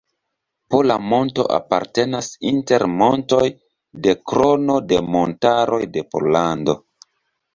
Pola monto apartenas inter montoj de Krono de montaroj de Pollando.